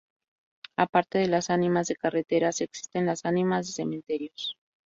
Aparte de las ánimas de carreteras, existen las ánimas de cementerios.